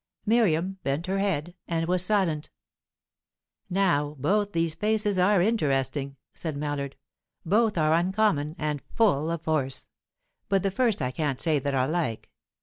Miriam bent her head, and was silent. "Now, both these faces are interesting," said Mallard. "Both are uncommon, and full of force. But the first I can't say that I like.